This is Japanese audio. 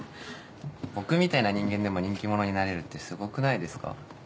僕みたいな人間でも人気者になれるってすごくないですか？